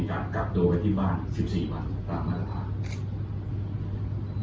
การกลับโดยที่บ้าน๑๔วันตามมาตรภาพ